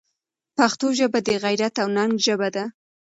پښتو ژبه د غیرت او ننګ ژبه ده.